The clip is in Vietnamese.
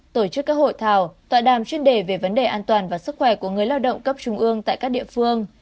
tổ chức các hội thảo tọa đàm chuyên đề về vấn đề an toàn và sức khỏe của người lao động cấp trung ương tại các địa phương